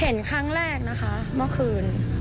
เห็นครั้งแรกนะคะเมื่อคืน